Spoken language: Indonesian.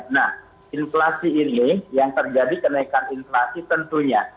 nah inflasi ini yang terjadi kenaikan inflasi tentunya